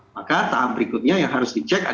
maka tahap berikutnya yang harus dibutuhkan